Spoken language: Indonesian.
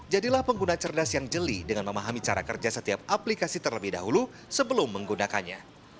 jadilah pengguna cerdas yang jeli dengan memahami cara kerja setiap aplikasi terlebih dahulu sebelum menggunakannya